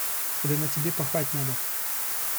Да на тебе пахать надо!